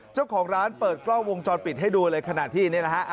เจ้าของร้านเปิดกล้องวงจรปิดให้ดูเลยขณะที่นี่แหละฮะ